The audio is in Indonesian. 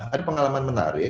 ada pengalaman menarik